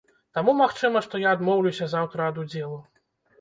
Таму магчыма, што я адмоўлюся заўтра ад удзелу.